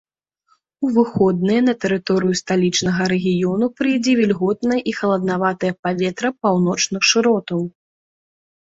У выходныя на тэрыторыю сталічнага рэгіёну прыйдзе вільготнае і халаднаватае паветра паўночных шыротаў.